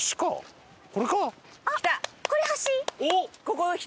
これ橋？